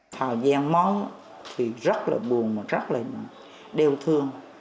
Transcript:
thời gian món thì rất là buồn và rất là đeo thương